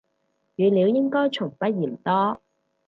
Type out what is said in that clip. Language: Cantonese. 語料應該從不嫌多